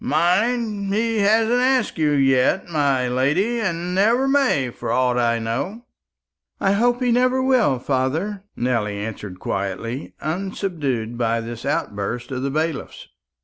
Mind, he hasn't asked you yet, my lady; and never may, for aught I know." "I hope he never will, father," Nelly answered quietly, unsubdued by this outburst of the bailiff's.